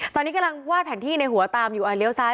ตอนนี้กำลังวาดแผนที่ในหัวตามอยู่เลี้ยวซ้าย